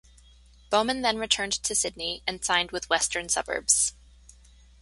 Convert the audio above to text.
Bowman then returned to Sydney and signed with Western Suburbs.